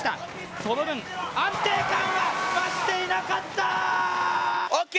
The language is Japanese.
その分、安定感は、増していなかったー！